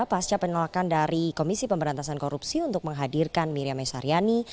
pasca penolakan dari komisi pemberantasan korupsi untuk menghadirkan miriam s haryani